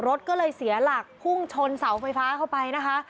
รถก็เลยเสียหลักพุ่งชนเสาไฟฟ้าเข้าไปนะคะ